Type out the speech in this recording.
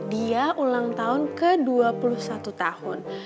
dia ulang tahun ke dua puluh satu tahun